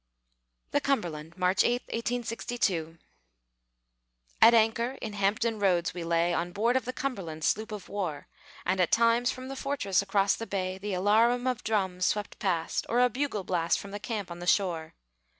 THE CUMBERLAND [March 8, 1862] At anchor in Hampton Roads we lay, On board of the Cumberland, sloop of war; And at times from the fortress across the bay The alarum of drums swept past, Or a bugle blast From the camp on the shore.